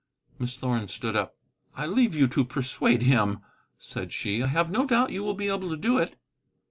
Miss Thorn stood up. "I leave you to persuade him," said she; "I have no doubt you will be able to do it."